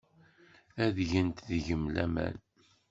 Ad gent deg-m laman.